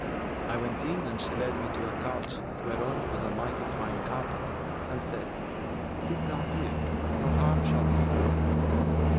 I went in and she led me to a couch, whereon was a mighty fine carpet, and said, 'Sit down here: no harm shall befal thee.